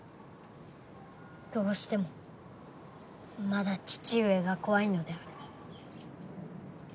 どうしてもまだ父上が怖いのである。